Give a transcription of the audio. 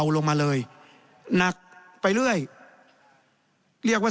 แสดงว่าความทุกข์มันไม่ได้ทุกข์เฉพาะชาวบ้านด้วยนะ